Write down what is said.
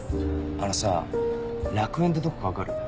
あのさ楽園ってどこかわかる？